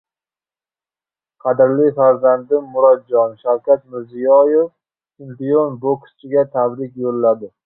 «Qadrli farzandim Murodjon...» Shavkat Mirziyoyev chempion bokschiga tabrik yo‘lladi